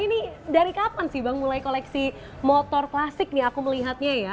ini dari kapan sih bang mulai koleksi motor klasik nih aku melihatnya ya